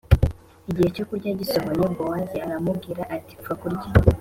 Igihe cyo kurya gisohoye Bowazi aramubwira ati mfa kurya